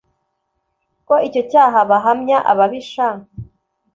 Ko icyo cyaha bahamya ababisha